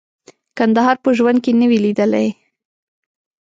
کندهار په ژوند کې نه وې لیدلي.